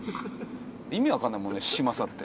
意味わかんないもんね「嶋佐」って。